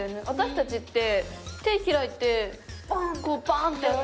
私たちって手開いてこうばんって。